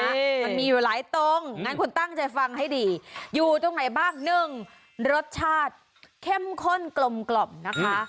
มันมีอยู่หลายตรงงั้นคุณตั้งใจฟังให้ดีอยู่ตรงไหนบ้างหนึ่งรสชาติเข้มข้นกลมกล่อมนะคะ